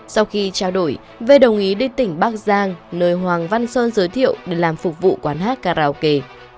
sau khi trao đổi về đồng ý đi tỉnh bắc giang nơi hoàng văn sơn giới thiệu để làm phục vụ quán hát karaoke